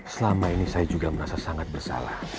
selama ini saya juga merasa sangat bersalah